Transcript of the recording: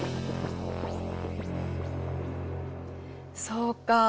そうか。